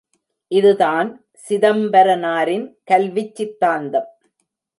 இதுதான், சிதம்பரனாரின் கல்விச் சித்தாந்தம்.